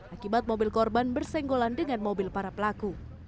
akibat mobil korban bersenggolan dengan mobil para pelaku